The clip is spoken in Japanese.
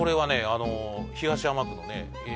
あの東山区のね